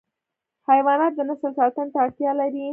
حیوانات د نسل ساتنه ته اړتیا لري.